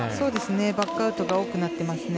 バックアウトが多くなってますね。